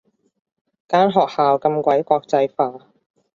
間學校咁鬼國際化